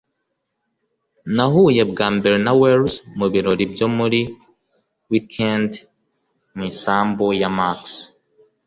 Nahuye bwa mbere na Wells mu birori byo muri wikendi mu isambu ya Max